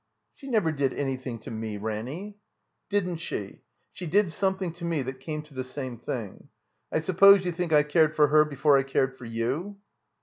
"She never did anything to me, Ranny." '' Didn't she ? She did something to me that came to the same thing. I suppose you think I cared for her before I cared for you?"